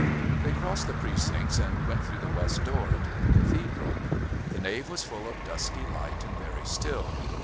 They crossed the Precincts and went through the West door into the Cathedral. The nave was full of dusky light and very still.